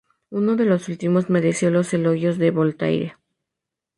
Uno de los últimos mereció los elogios de Voltaire.